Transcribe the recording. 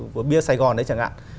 của bia sài gòn đấy chẳng hạn